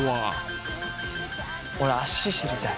俺足知りたい。